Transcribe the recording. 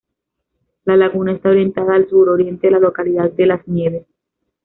La laguna está orientada al suroriente de la localidad de Las Nieves.